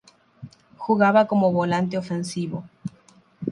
Jugaba como volante ofensivo.